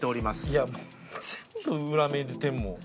いやもう全部裏目に出てるもん。